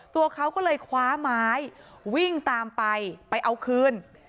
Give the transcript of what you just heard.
ตัวเขาก็เลยคว้าไม้วิ่งตามไปไปเอาคืน